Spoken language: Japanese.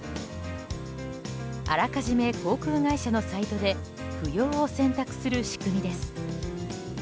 あらかじめ航空会社のサイトで不要を選択する仕組みです。